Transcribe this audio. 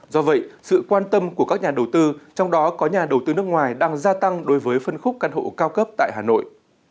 do vậy sự quan tâm của các nhà đầu tư trong đó có nhà đầu tư nước ngoài đang gia tăng đối với phân khúc căn hộ cao cấp tại hà nội